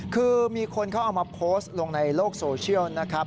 คือมีคนเขาเอามาโพสต์ลงในโลกโซเชียลนะครับ